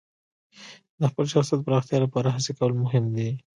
د خپل شخصیت پراختیا لپاره هڅې کول مهم دي.